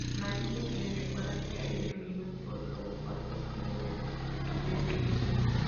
Myrtle le recuerda que hay enemigos por todas partes y ella debe irse.